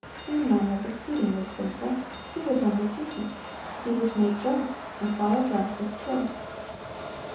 Amnon was exceedingly sinful; he was unrepentant, he was made drunk, and while drunk was killed.